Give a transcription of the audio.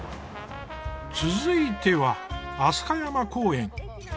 続いては飛鳥山公園。